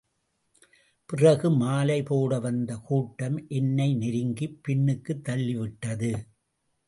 பிறகு மாலை போட வந்த கூட்டம் என்னை நெருக்கிப் பின்னுக்குத்தள்ளிவிட்டது.